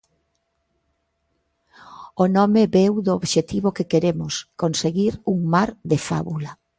O nome veu do obxectivo que queremos, conseguir un mar de fábula.